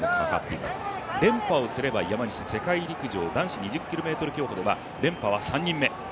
連覇をすれば山西、世界陸上男子２０ｋｍ競歩では連覇は３人目